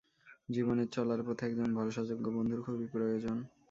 জীবনে চলার পথে একজন ভরসাযোগ্য বন্ধুর খুবই প্রয়োজন।